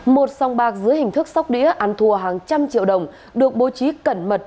một sòng bạc dưới hình thức sóc đĩa ăn thùa hàng trăm triệu đồng được bố trí cẩn mật